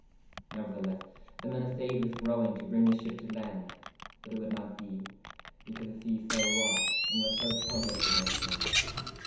Neuerthelesse the men assayed wyth rowenge to bringe the sheppe to lande: but it wold not be/ because the se so wrought & was so trowblous agenst them.